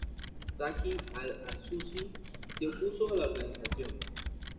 Zaki Al-Arsuzi se opuso a la organización.